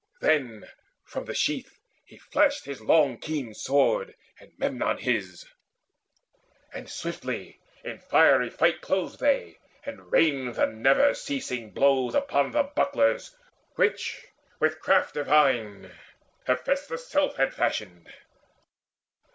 Then from the sheath he flashed his long keen sword, And Memnon his; and swiftly in fiery fight Closed they, and rained the never ceasing blows Upon the bucklers which with craft divine Hephaestus' self had fashioned.